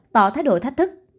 tỏ thái độ thách thức